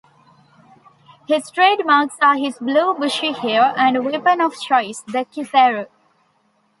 His trademarks are his blue bushy hair and weapon of choice, the kiseru.